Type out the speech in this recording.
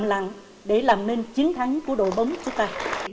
thầm lặng để làm nên chiến thắng của đội bóng chúng ta